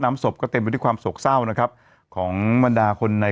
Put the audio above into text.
ซ้ำสบก็เต็มที่ความโสกเศร้านะครับของมารดาคนใน